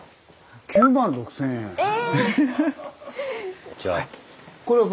え！